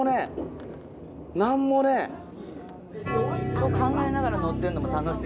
そう考えながら乗ってるのも楽しい。